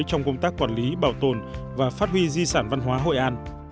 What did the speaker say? trong công tác quản lý bảo tồn và phát huy di sản văn hóa hội an